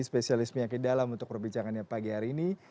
spesialisme yakin dalam untuk perbincangannya pagi hari ini